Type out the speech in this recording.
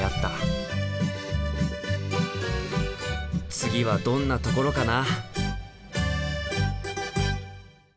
次はどんなところかな。